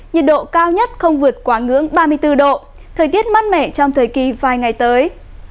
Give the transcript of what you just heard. nhiệt độ cao nhất không vượt quá ngưỡng ba mươi bốn độ thời tiết mát mẻ trong thời kỳ vài ngày tới